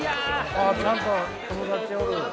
あっちゃんと友達おる。